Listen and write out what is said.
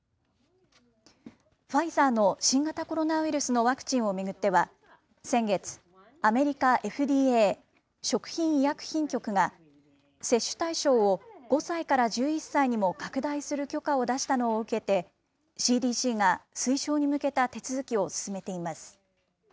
ファイザーの新型コロナウイルスのワクチンを巡っては、先月、アメリカＦＤＡ・食品医薬品局が接種対象を５歳から１１歳にも拡大する許可を出したのを受けて、ＣＤＣが推奨に向けた手続きを進めています。